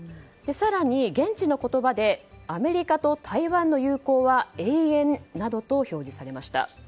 更に現地の言葉で「アメリカと台湾の友好は永遠」などと表示されました。